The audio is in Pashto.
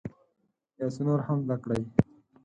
یو څه نور هم زده کړئ.